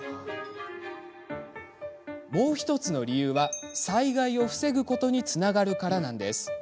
もう１つの理由は災害を防ぐことにつながるからなんです。